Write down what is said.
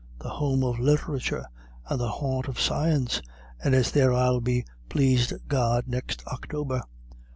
The home of literature and the haunt of science. And it's there I'll be, plase God, next October."